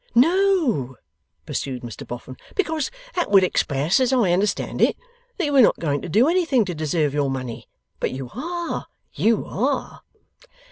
'No,' pursued Mr Boffin; 'because that would express, as I understand it, that you were not going to do anything to deserve your money. But you are; you are.